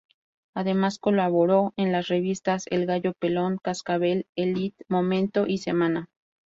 Además colaboró en las revistas "El gallo pelón", "Cascabel", "Elite", "Momento" y "Semana".